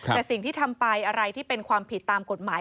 แต่สิ่งที่ทำไปอะไรที่เป็นความผิดตามกฎหมาย